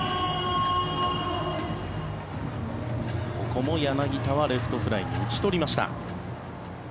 ここも柳田をレフトフライに打ち取りました。